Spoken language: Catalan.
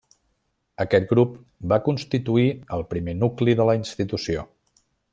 Aquest grup va constituir el primer nucli de la institució.